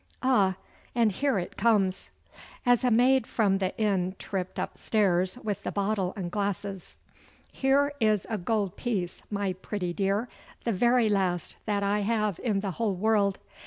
Ah, and here it comes!' as a maid from the inn tripped upstairs with the bottle and glasses. 'Here is a gold piece, my pretty dear, the very last that I have in the whole world.